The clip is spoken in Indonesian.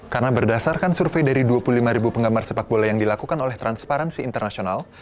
karena berdasarkan survei dari dua puluh lima ribu penggambar sepak bola yang dilakukan oleh transparansi internasional